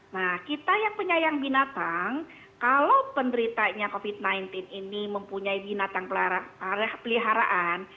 nah kita yang penyayang binatang kalau penderitanya covid sembilan belas ini mempunyai binatang peliharaan